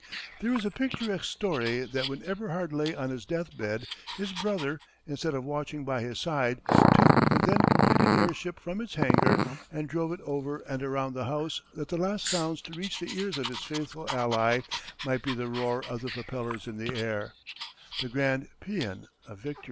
There is a picturesque story that when Eberhard lay on his death bed his brother, instead of watching by his side, took the then completed airship from its hangar, and drove it over and around the house that the last sounds to reach the ears of his faithful ally might be the roar of the propellers in the air the grand pæan of victory.